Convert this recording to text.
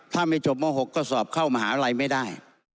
ถ้าไม่จบม๖ก็สอบเข้ามหาลัยไม่ได้